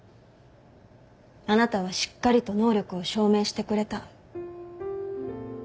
あなたはしっかりと能力を証明してくれた。